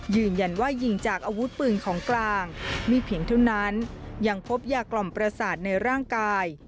ยืนยันว่ายิงจากอาวุธปืนของกลางมีเพียงเท่านั้นยังพบยากล่อมประสาทในร่างกาย